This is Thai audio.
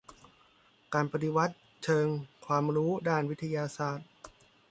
การปฏิวัติเชิงความรู้ด้านวิทยาศาสตร์